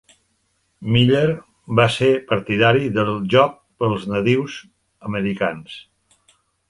Miller va ser partidari dels joc dels nadius americans.